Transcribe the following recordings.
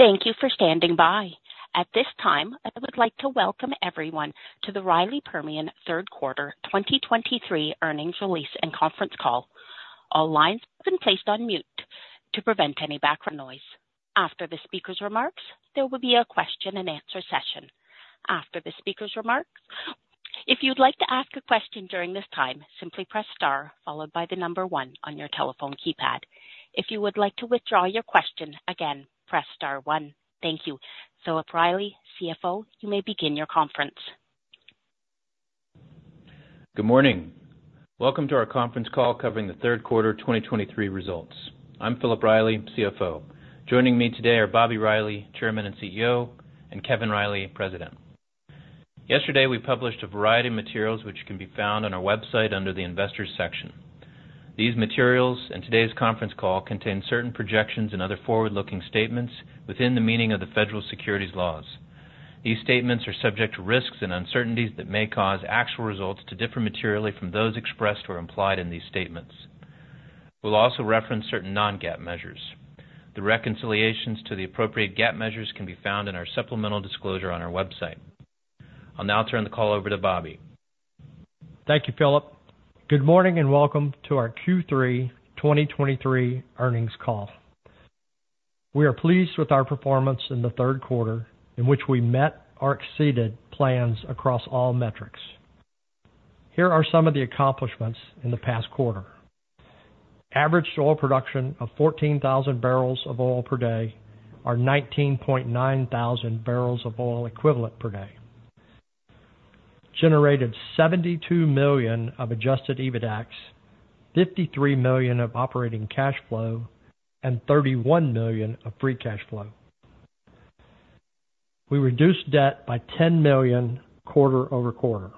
Thank you for standing by. At this time, I would like to welcome everyone to the Riley Permian third quarter 2023 earnings release and conference call. All lines have been placed on mute to prevent any background noise. After the speaker's remarks, there will be a question and answer session. After the speaker's remarks, if you'd like to ask a question during this time, simply press star, followed by the number one on your telephone keypad. If you would like to withdraw your question again, press star one. Thank you. Philip Riley, CFO, you may begin your conference. Good morning. Welcome to our conference call covering the third quarter of 2023 results. I'm Philip Riley, CFO. Joining me today are Bobby Riley, Chairman and CEO, and Kevin Riley, President. Yesterday, we published a variety of materials which can be found on our website under the Investors section. These materials and today's conference call contain certain projections and other forward-looking statements within the meaning of the federal securities laws. These statements are subject to risks and uncertainties that may cause actual results to differ materially from those expressed or implied in these statements. We'll also reference certain non-GAAP measures. The reconciliations to the appropriate GAAP measures can be found in our supplemental disclosure on our website. I'll now turn the call over to Bobby. Thank you, Philip. Good morning and welcome to our Q3 2023 earnings call. We are pleased with our performance in the third quarter, in which we met or exceeded plans across all metrics. Here are some of the accomplishments in the past quarter. Averaged oil production of 14,000 barrels of oil per day are 19.9 thousand barrels of oil equivalent per day, generated $72 million of Adjusted EBITDAX, $53 million of operating cash flow, and $31 million of free cash flow. We reduced debt by $10 million quarter-over-quarter.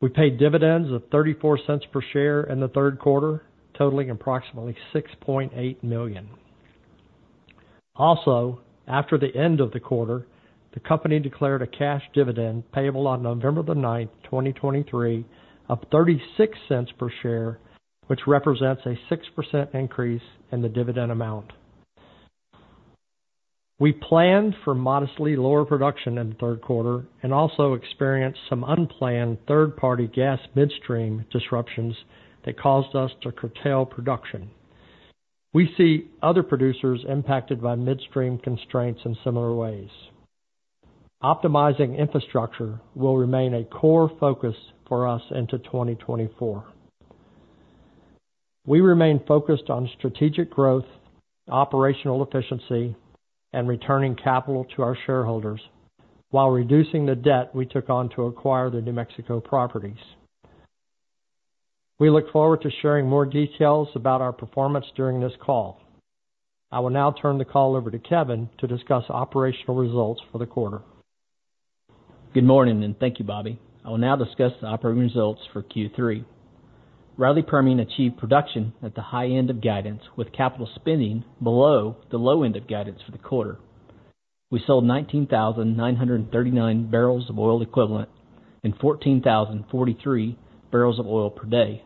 We paid dividends of $0.34 per share in the third quarter, totaling approximately $6.8 million. Also, after the end of the quarter, the company declared a cash dividend payable on November 9, 2023, of $0.36 per share, which represents a 6% increase in the dividend amount. We planned for modestly lower production in the third quarter and also experienced some unplanned third-party gas midstream disruptions that caused us to curtail production. We see other producers impacted by midstream constraints in similar ways. Optimizing infrastructure will remain a core focus for us into 2024. We remain focused on strategic growth, operational efficiency, and returning capital to our shareholders while reducing the debt we took on to acquire the New Mexico properties. We look forward to sharing more details about our performance during this call. I will now turn the call over to Kevin to discuss operational results for the quarter. Good morning, and thank you, Bobby. I will now discuss the operating results for Q3. Riley Permian achieved production at the high end of guidance, with capital spending below the low end of guidance for the quarter. We sold 19,939 barrels of oil equivalent and 14,043 barrels of oil per day.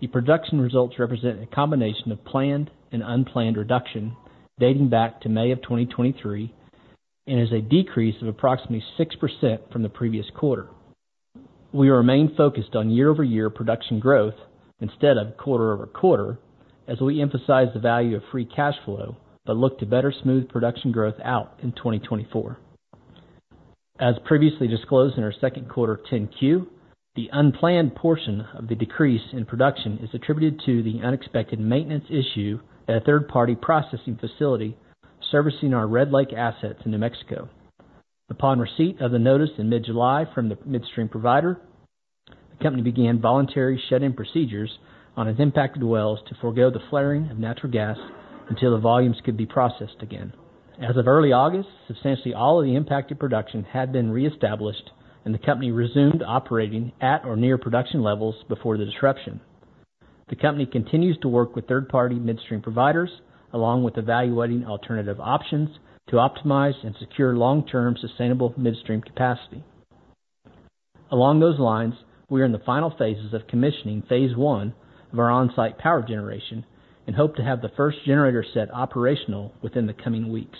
The production results represent a combination of planned and unplanned reduction dating back to May of 2023, and is a decrease of approximately 6% from the previous quarter. We remain focused on year-over-year production growth instead of quarter-over-quarter as we emphasize the value of free cash flow, but look to better smooth production growth out in 2024. As previously disclosed in our second quarter 10-Q, the unplanned portion of the decrease in production is attributed to the unexpected maintenance issue at a third-party processing facility servicing our Red Lake assets in New Mexico. Upon receipt of the notice in mid-July from the midstream provider, the company began voluntary shut-in procedures on its impacted wells to forgo the flaring of natural gas until the volumes could be processed again. As of early August, substantially all of the impacted production had been reestablished and the company resumed operating at or near production levels before the disruption. The company continues to work with third-party midstream providers, along with evaluating alternative options to optimize and secure long-term, sustainable midstream capacity. Along those lines, we are in the final phases of commissioning phase I of our on-site power generation and hope to have the first generator set operational within the coming weeks.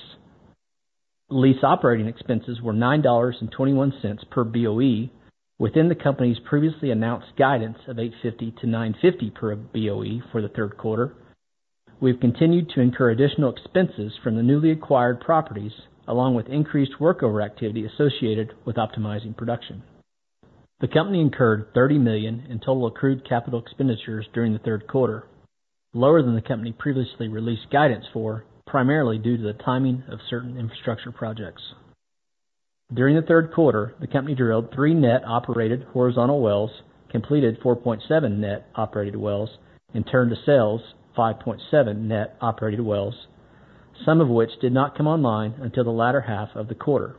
Lease operating expenses were $9.21 per BOE within the company's previously announced guidance of $8.50-$9.50 per BOE for the third quarter. We've continued to incur additional expenses from the newly acquired properties, along with increased workover activity associated with optimizing production. The company incurred $30 million in total accrued capital expenditures during the third quarter, lower than the company previously released guidance for, primarily due to the timing of certain infrastructure projects. During the third quarter, the company drilled three net operated horizontal wells, completed 4.7 net operated wells, and turned to sales 5.7 net operated wells, some of which did not come online until the latter half of the quarter.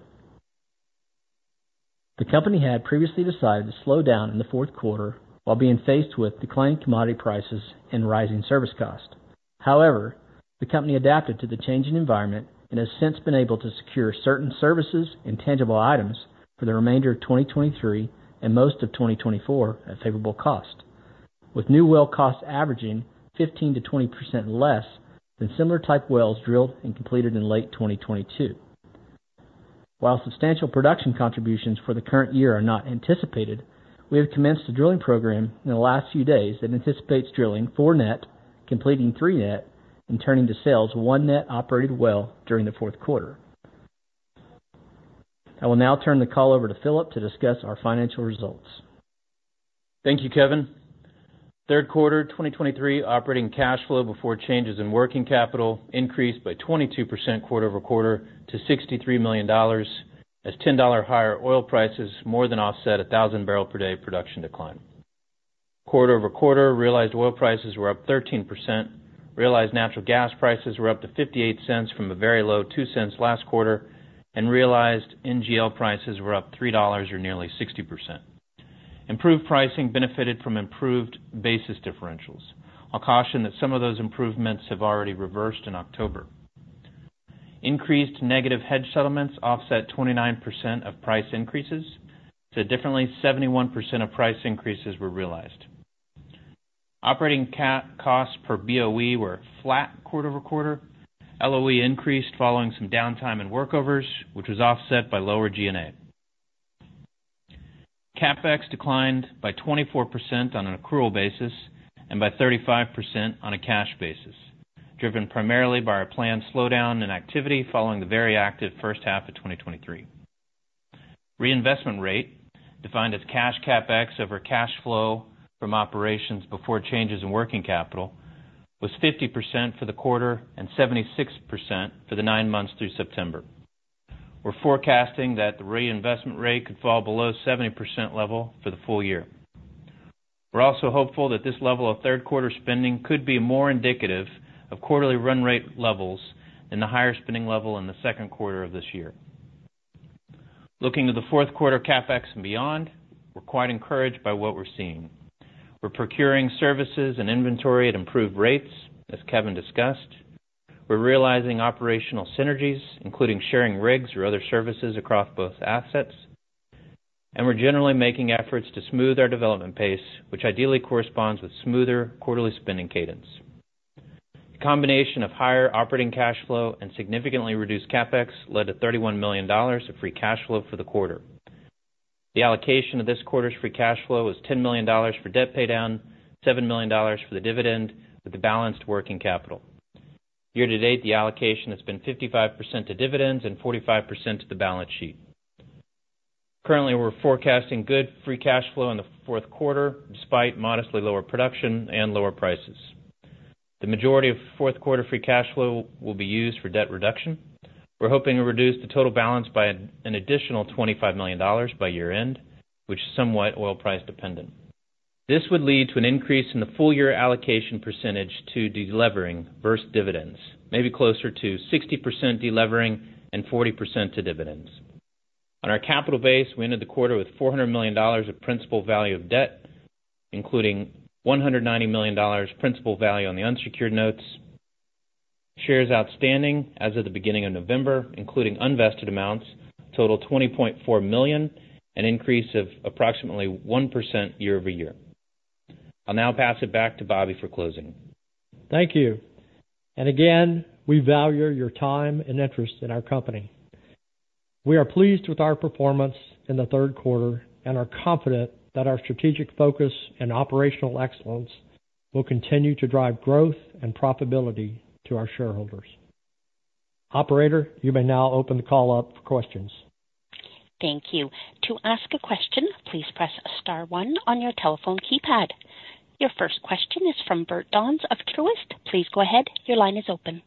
The company had previously decided to slow down in the fourth quarter while being faced with declining commodity prices and rising service costs. However, the company adapted to the changing environment and has since been able to secure certain services and tangible items for the remainder of 2023 and most of 2024 at favorable cost, with new well costs averaging 15%-20% less than similar type wells drilled and completed in late 2022. While substantial production contributions for the current year are not anticipated, we have commenced a drilling program in the last few days that anticipates drilling four net, completing three net, and turning to sales one net operated well during the fourth quarter. I will now turn the call over to Philip to discuss our financial results. Thank you, Kevin. Third quarter 2023 operating cash flow before changes in working capital increased by 22% quarter-over-quarter to $63 million, as $10 higher oil prices more than offset a 1,000 barrel per day production decline. Quarter-over-quarter, realized oil prices were up 13%, realized natural gas prices were up to $0.58 from a very low $0.02 last quarter, and realized NGL prices were up $3, or nearly 60%. Improved pricing benefited from improved basis differentials. I'll caution that some of those improvements have already reversed in October. Increased negative hedge settlements offset 29% of price increases. So differently, 71% of price increases were realized. Operating costs per BOE were flat quarter-over-quarter. LOE increased following some downtime in workovers, which was offset by lower G&A. CapEx declined by 24% on an accrual basis and by 35% on a cash basis, driven primarily by our planned slowdown in activity following the very active first half of 2023. Reinvestment rate, defined as cash CapEx over cash flow from operations before changes in working capital, was 50% for the quarter and 76% for the nine months through September. We're forecasting that the reinvestment rate could fall below 70% level for the full year. We're also hopeful that this level of third quarter spending could be more indicative of quarterly run rate levels than the higher spending level in the second quarter of this year. Looking to the fourth quarter CapEx and beyond, we're quite encouraged by what we're seeing. We're procuring services and inventory at improved rates, as Kevin discussed. We're realizing operational synergies, including sharing rigs or other services across both assets, and we're generally making efforts to smooth our development pace, which ideally corresponds with smoother quarterly spending cadence. The combination of higher operating cash flow and significantly reduced CapEx led to $31 million of free cash flow for the quarter. The allocation of this quarter's free cash flow was $10 million for debt paydown, $7 million for the dividend, with the balance to working capital. Year to date, the allocation has been 55% to dividends and 45% to the balance sheet. Currently, we're forecasting good free cash flow in the fourth quarter, despite modestly lower production and lower prices. The majority of fourth quarter free cash flow will be used for debt reduction. We're hoping to reduce the total balance by an additional $25 million by year-end, which is somewhat oil price dependent. This would lead to an increase in the full year allocation percentage to de-levering versus dividends, maybe closer to 60% delivering and 40% to dividends. On our capital base, we ended the quarter with $400 million of principal value of debt, including $190 million principal value on the unsecured notes. Shares outstanding as of the beginning of November, including unvested amounts, total 20.4 million, an increase of approximately 1% year-over-year. I'll now pass it back to Bobby for closing. Thank you. And again, we value your time and interest in our company. We are pleased with our performance in the third quarter and are confident that our strategic focus and operational excellence will continue to drive growth and profitability to our shareholders. Operator, you may now open the call up for questions. Thank you. To ask a question, please press star one on your telephone keypad. Your first question is from Bert Donnes of Truist. Please go ahead. Your line is open.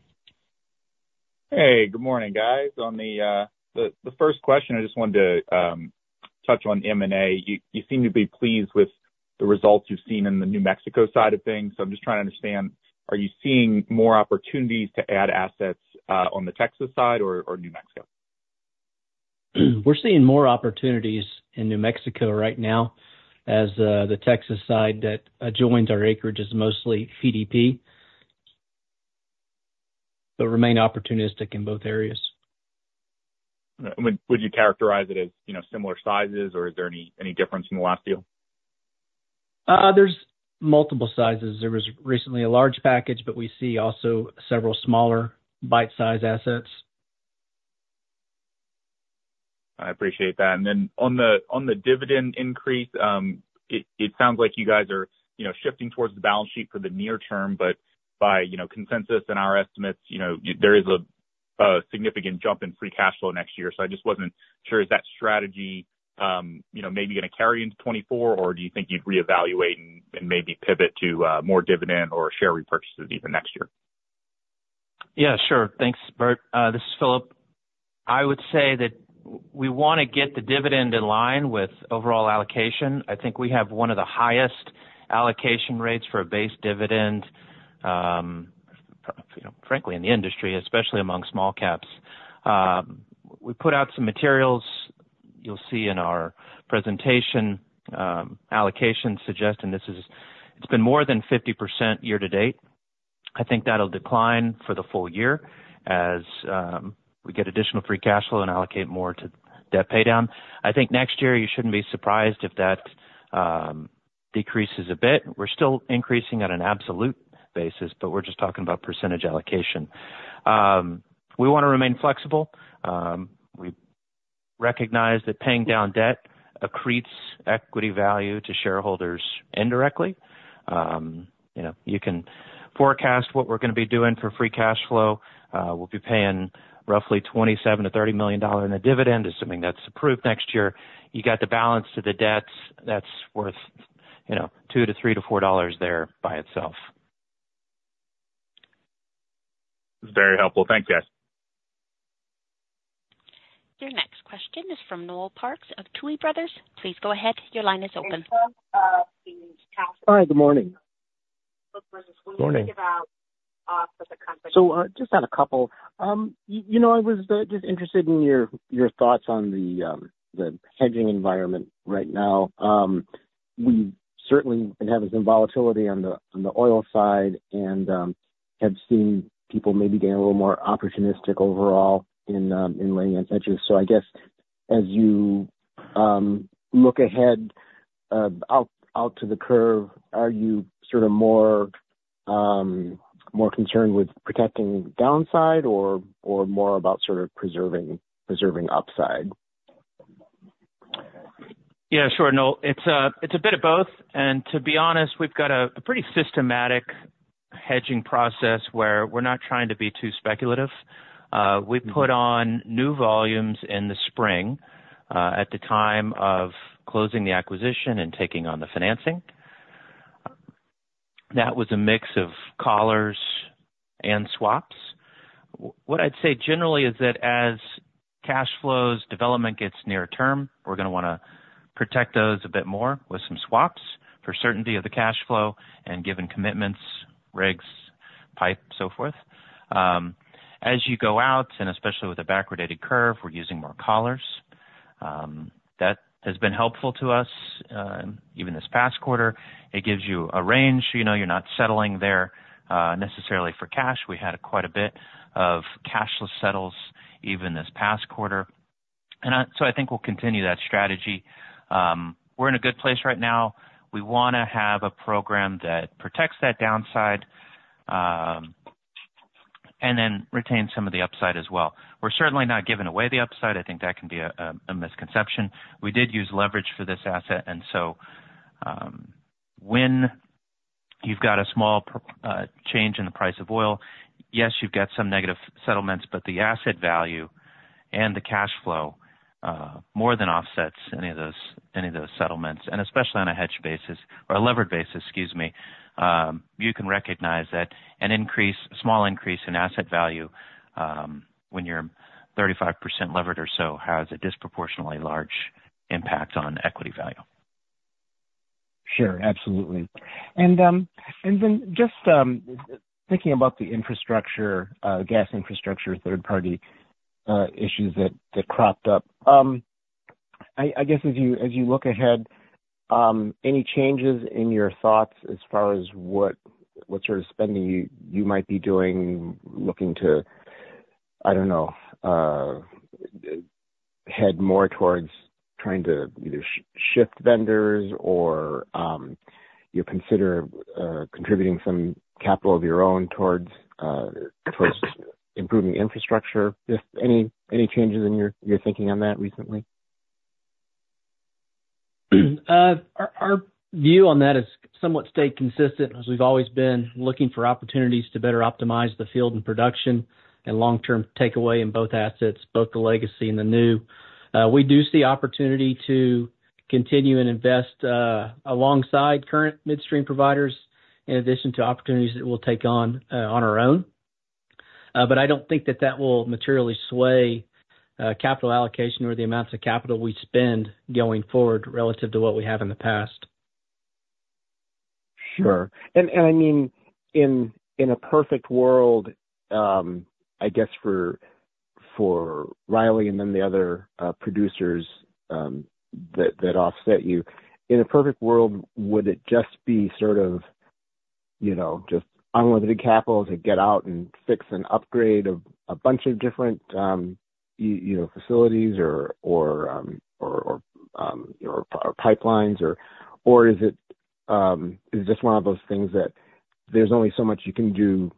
Hey, good morning, guys. On the first question, I just wanted to touch on M&A. You seem to be pleased with the results you've seen in the New Mexico side of things. So I'm just trying to understand, are you seeing more opportunities to add assets on the Texas side or New Mexico? We're seeing more opportunities in New Mexico right now as the Texas side that adjoins our acreage is mostly PDP, but remain opportunistic in both areas. Would you characterize it as, you know, similar sizes, or is there any difference from the last deal? There's multiple sizes. There was recently a large package, but we see also several smaller bite-size assets. I appreciate that. Then on the dividend increase, it sounds like you guys are, you know, shifting towards the balance sheet for the near term, but by, you know, consensus and our estimates, you know, there is a significant jump in free cash flow next year. So I just wasn't sure, is that strategy, you know, maybe gonna carry into 2024, or do you think you'd reevaluate and maybe pivot to more dividend or share repurchases even next year? Yeah, sure. Thanks, Bert. This is Philip. I would say that we wanna get the dividend in line with overall allocation. I think we have one of the highest allocation rates for a base dividend, you know, frankly, in the industry, especially among small caps. We put out some materials you'll see in our presentation, allocation suggesting this is... It's been more than 50% year to date. I think that'll decline for the full year as we get additional free cash flow and allocate more to debt pay down. I think next year you shouldn't be surprised if that decreases a bit. We're still increasing at an absolute basis, but we're just talking about percentage allocation. We want to remain flexible. We recognize that paying down debt accretes equity value to shareholders indirectly. You know, you can forecast what we're going to be doing for free cash flow. We'll be paying roughly $27 million-$30 million in a dividend, assuming that's approved next year. You got the balance to the debts that's worth, you know, $2-$3-$4 there by itself. Very helpful. Thank you, guys. Your next question is from Noel Parks of Tuohy Brothers. Please go ahead. Your line is open. Hi, good morning. Morning. So, just on a couple. You know, I was just interested in your thoughts on the hedging environment right now. We certainly been having some volatility on the oil side and have seen people maybe getting a little more opportunistic overall in laying in hedges. So I guess, as you look ahead out to the curve, are you sort of more concerned with protecting the downside or more about sort of preserving upside? Yeah, sure, Noel. It's a bit of both, and to be honest, we've got a pretty systematic hedging process where we're not trying to be too speculative. We put on new volumes in the spring at the time of closing the acquisition and taking on the financing. That was a mix of collars and swaps. What I'd say generally is that as cash flows, development gets near term, we're gonna wanna protect those a bit more with some swaps for certainty of the cash flow and given commitments, rigs, pipe, so forth. As you go out, and especially with a backwardated curve, we're using more collars. That has been helpful to us, even this past quarter. It gives you a range, you know, you're not settling there necessarily for cash. We had quite a bit of cashless settlements, even this past quarter. So I think we'll continue that strategy. We're in a good place right now. We wanna have a program that protects that downside, and then retains some of the upside as well. We're certainly not giving away the upside. I think that can be a misconception. We did use leverage for this asset, and so, when you've got a small change in the price of oil, yes, you've got some negative settlements, but the asset value and the cash flow more than offsets any of those, any of those settlements, and especially on a hedge basis or a levered basis, excuse me. You can recognize that an increase, small increase in asset value, when you're 35% levered or so, has a disproportionately large impact on equity value. Sure. Absolutely. And then just thinking about the infrastructure, gas infrastructure, third-party issues that cropped up. I guess, as you look ahead, any changes in your thoughts as far as what sort of spending you might be doing, looking to, I don't know, head more towards trying to either shift vendors or you consider contributing some capital of your own towards improving infrastructure. Just any changes in your thinking on that recently? Our view on that is somewhat stayed consistent, as we've always been looking for opportunities to better optimize the field and production and long-term takeaway in both assets, both the legacy and the new. We do see opportunity to continue and invest alongside current midstream providers, in addition to opportunities that we'll take on our own. But I don't think that will materially sway capital allocation or the amounts of capital we spend going forward relative to what we have in the past. Sure. I mean, in a perfect world, I guess for Riley and then the other producers that offset you. In a perfect world, would it just be sort of, you know, just unlimited capital to get out and fix and upgrade a bunch of different, you know, facilities or pipelines? Or is it just one of those things that there's only so much you can do,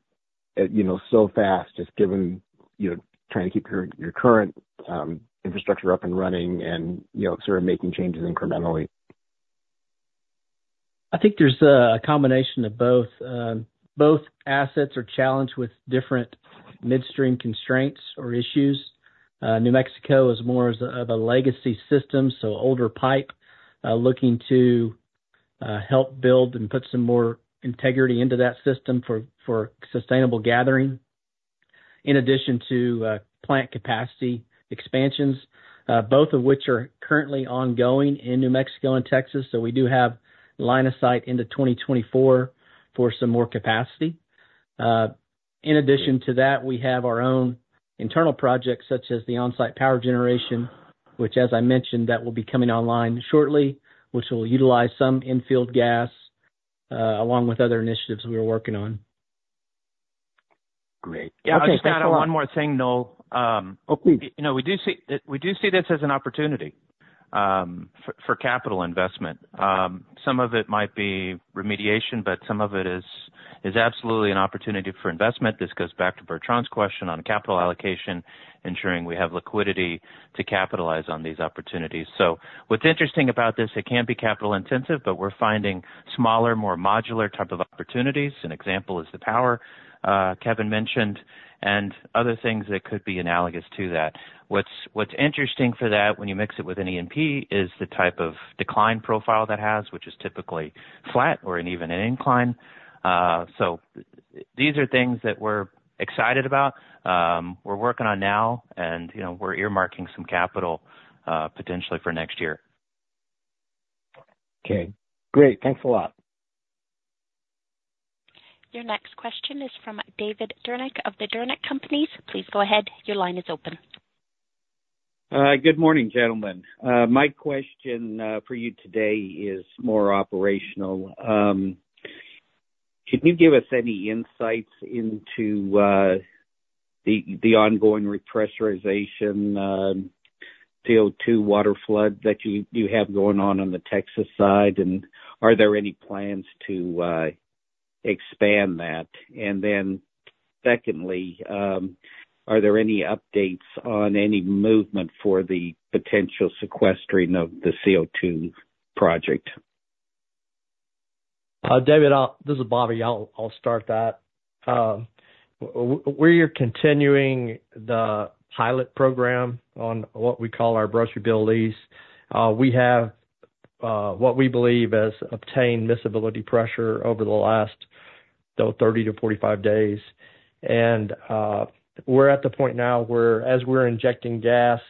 you know, so fast, just given, you know, trying to keep your current infrastructure up and running and, you know, sort of making changes incrementally? I think there's a combination of both. Both assets are challenged with different midstream constraints or issues. New Mexico is more of a legacy system, so older pipe, looking to help build and put some more integrity into that system for sustainable gathering, in addition to plant capacity expansions, both of which are currently ongoing in New Mexico and Texas. So we do have line of sight into 2024 for some more capacity. In addition to that, we have our own internal projects such as the on-site power generation, which, as I mentioned, that will be coming online shortly, which will utilize some infield gas, along with other initiatives we are working on. Great. Yeah, just to add one more thing, Noel. You know, we do see, we do see this as an opportunity, for, for capital investment. Some of it might be remediation, but some of it is, is absolutely an opportunity for investment. This goes back to Bertrand's question on capital allocation, ensuring we have liquidity to capitalize on these opportunities. So what's interesting about this, it can be capital intensive, but we're finding smaller, more modular type of opportunities. An example is the power, Kevin mentioned and other things that could be analogous to that. What's interesting for that, when you mix it with an E&P, is the type of decline profile that has, which is typically flat or an even an incline. So these are things that we're excited about, we're working on now, and, you know, we're earmarking some capital, potentially for next year. Okay, great. Thanks a lot. Your next question is from David Dernick of the Dernick Companies. Please go ahead. Your line is open. Good morning, gentlemen. My question for you today is more operational. Can you give us any insights into the ongoing repressurization, CO2 water flood that you have going on the Texas side? And are there any plans to expand that? And then secondly, are there any updates on any movement for the potential sequestering of the CO2 project? David, this is Bobby. I'll start that. We're continuing the pilot program on what we call our Brushy Bill lease. We have what we believe as obtained miscibility pressure over the last 30-45 days. And we're at the point now where as we're injecting gas,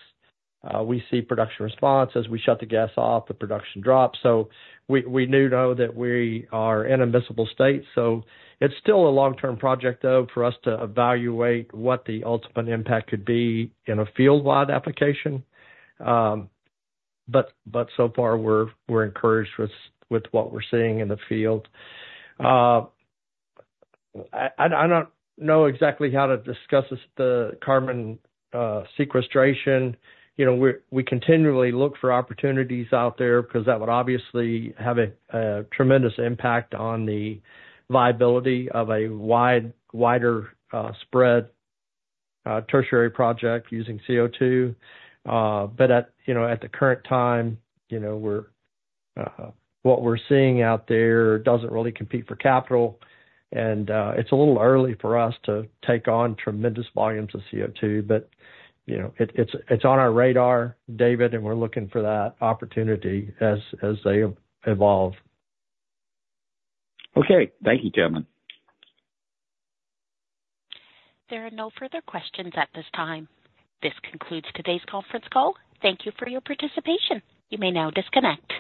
we see production response. As we shut the gas off, the production drops. So we do know that we are in a miscible state. So it's still a long-term project, though, for us to evaluate what the ultimate impact could be in a field-wide application. But so far, we're encouraged with what we're seeing in the field. I don't know exactly how to discuss this, the carbon sequestration. You know, we continually look for opportunities out there because that would obviously have a tremendous impact on the viability of a wider spread tertiary project using CO2. But, you know, at the current time, what we're seeing out there doesn't really compete for capital. And it's a little early for us to take on tremendous volumes of CO2, but, you know, it's on our radar, David, and we're looking for that opportunity as they evolve. Okay. Thank you, gentlemen. There are no further questions at this time. This concludes today's conference call. Thank you for your participation. You may now disconnect.